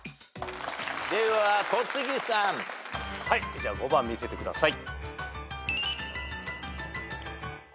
じゃあ５番見せてください。